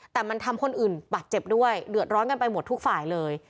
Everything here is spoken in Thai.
แต่มันทำคนอื่นบาดเจ็บด้วยเดือดร้อนกันไปหมดทุกฝ่ายเลย